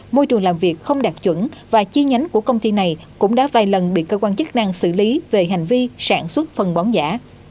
môi trường làm việc không đạt chuẩn và chi nhánh của công ty này cũng đã vài lần bị cơ quan chức năng xử lý về hành vi sản xuất phần bón giả